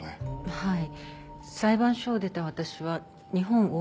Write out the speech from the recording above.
はい。